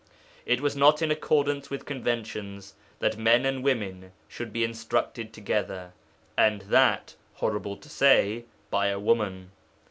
It was not in accordance with conventions that men and women should be instructed together, and that horrible to say by a woman.